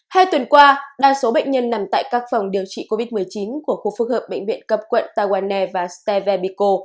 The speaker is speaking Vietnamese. hai tuần qua đa số bệnh nhân nằm tại các phòng điều trị covid một mươi chín của khu phương hợp bệnh viện cấp quận tawane và stevebiko